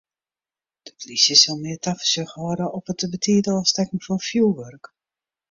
De plysje sil mear tafersjoch hâlde op it te betiid ôfstekken fan fjoerwurk.